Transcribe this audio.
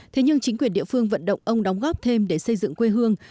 thế nhưng chính quyền địa phương vận động ông đóng góp thêm để xây dựng quê hương